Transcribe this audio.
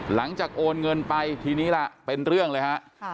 หลังจากโอนเงินไปทีนี้ล่ะเป็นเรื่องเลยครับ